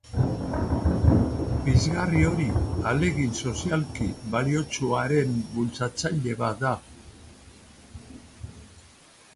Pizgarri hori ahalegin sozialki baliotsuaren bultzatzaile bat da.